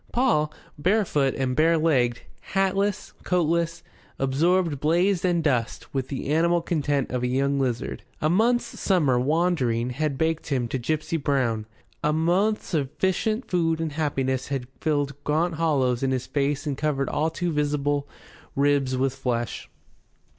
Paul, barefoot and barelegged, hatless, coatless, absorbed blaze and dust with the animal content of a young lizard. A month's summer wandering had baked him to gipsy brown. A month's sufficient food and happiness had filled gaunt hollows in his face and covered all too visible ribs with flesh.